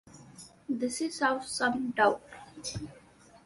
This is of some doubt.